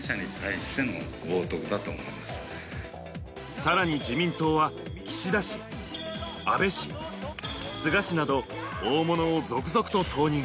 更に自民党は、岸田氏、安倍氏、菅氏など大物を続々と投入。